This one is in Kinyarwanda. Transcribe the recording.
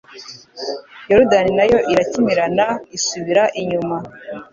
Yorudani na yo irakimirana isubira inyuma